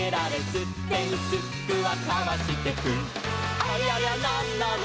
「すってんすっくはかわしてく」「ありゃりゃなんなの？